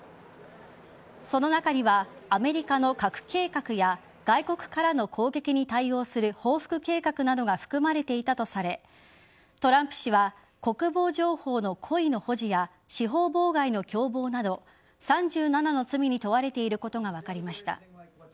その中にはアメリカの核計画や外国からの攻撃に対応する報復計画などが含まれていたとされトランプ氏は国防情報の故意の保持や司法妨害の共謀など３７の罪に問われていることが分かりました。